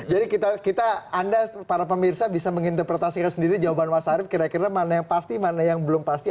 jadi kita anda para pemirsa bisa menginterpretasikan sendiri jawaban mas arief kira kira mana yang pasti mana yang belum pasti